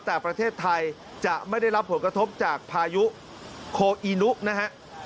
แต่ประเทศไทยจะไม่ได้รับผลกระทบจากพายุโคอีนุนะฮะ